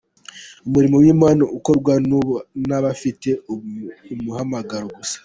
umurimo w Imana ukorwa n’ abafite umuhamagaro gusa.